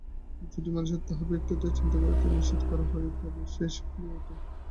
যদি মানুষকে তাহার ব্যক্তিত্বের চিন্তা করিতে নিষেধ করা হয়, তবে সে শিহরিয়া উঠে।